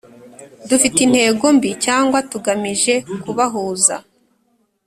Dufite intego mbi cyangwa tugamije kubahuza